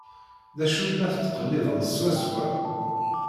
D acu i la tettqellibeḍ swaswa?